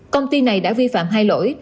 công ty này đã vi phạm hai lỗi